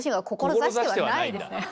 志してはないんだ。